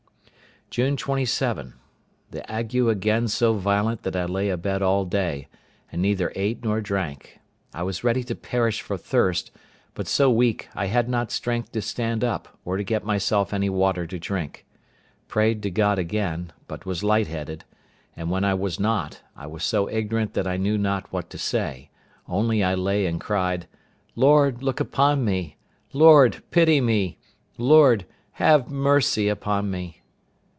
June 27.—The ague again so violent that I lay a bed all day, and neither ate nor drank. I was ready to perish for thirst; but so weak, I had not strength to stand up, or to get myself any water to drink. Prayed to God again, but was light headed; and when I was not, I was so ignorant that I knew not what to say; only I lay and cried, "Lord, look upon me! Lord, pity me! Lord, have mercy upon me!"